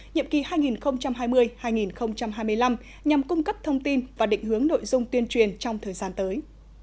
nhiệm kỳ hai nghìn hai mươi hai nghìn hai mươi năm nhằm cung cấp thông tin và định hướng nội dung tuyên truyền trong thời gian tới